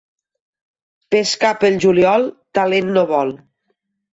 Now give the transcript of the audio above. Pescar pel juliol talent no vol.